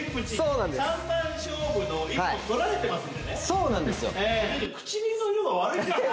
そうなんですよ。